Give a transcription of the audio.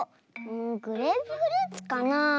グレープフルーツかな？